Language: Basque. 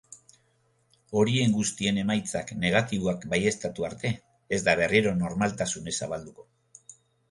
Horien guztien emaitzak negatiboak baieztatu arte ez da berriro normaltasunez zabalduko.